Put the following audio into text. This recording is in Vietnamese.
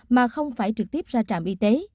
mà không phải trực tiếp ra trạm y tế